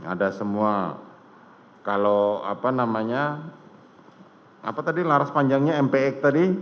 ada semua kalau apa namanya apa tadi laras panjangnya mpx tadi